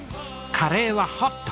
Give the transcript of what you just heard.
カレーはホット。